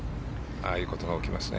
ああいうことが起きますね。